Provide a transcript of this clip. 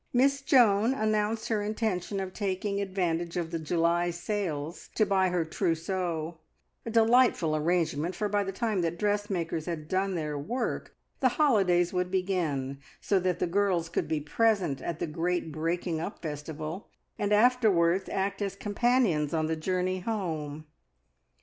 Miss Joan announced her intention of taking advantage of the July sales to buy her trousseau a delightful arrangement, for by the time that dressmakers had done their work the holidays would begin, so that the girls could be present at the great breaking up festival, and afterwards act as companions on the journey home.